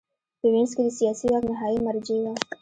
په وینز کې د سیاسي واک نهايي مرجع وه